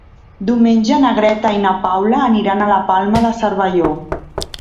Diumenge na Greta i na Paula aniran a la Palma de Cervelló.